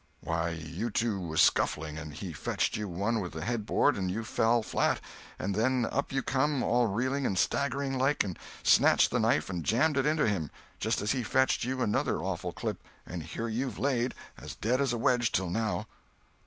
"Why, you two was scuffling, and he fetched you one with the headboard and you fell flat; and then up you come, all reeling and staggering like, and snatched the knife and jammed it into him, just as he fetched you another awful clip—and here you've laid, as dead as a wedge til now."